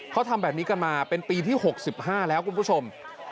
เขาทำแบบนี้กันมาเป็นปีที่๖๕แล้วคุณผู้ชม